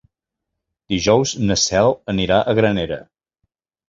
Dijous na Cel anirà a Granera.